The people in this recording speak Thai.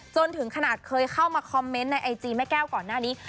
จนถึงขนาดเคยเข้ามาคอมเมนต์ในไอจีแม่แก้วก่อนหน้านี้